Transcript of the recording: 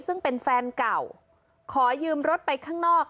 ซึ่งเป็นแฟนเก่าขอยืมรถไปข้างนอก